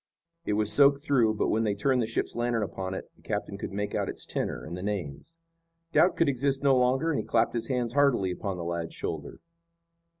It was soaked through, but when they turned the ship's lantern upon it the captain could make out its tenor and the names. Doubt could exist no longer and he clapped his hands heartily upon the lad's shoulder.